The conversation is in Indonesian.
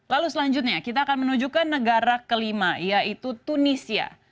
lalu selanjutnya kita akan menuju ke negara kelima yaitu tunisia